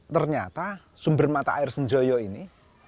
ternyata sumber mata air senjoyo ini